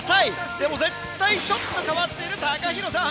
でも絶対ちょっと変わっているＴＡＫＡＨＩＲＯさん。